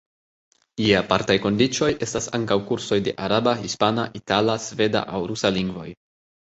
Je apartaj kondiĉoj, estas ankaŭ kursoj de araba, hispana, itala, sveda aŭ rusa lingvoj.